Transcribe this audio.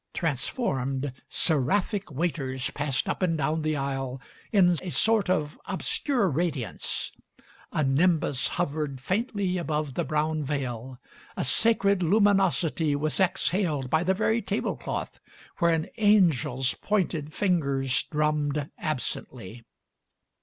Transformed, seraphic waiters passed up and down the aisle in a sort of obscure radiance. A nimbus hovered faintly above the brown veil; a sacred luminosity was exhaled by the very tablecloth, where an angel's pointed fingers drummed absently.